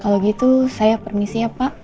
kalau gitu saya permisi ya pak